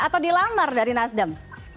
atau dilamar dari nasdem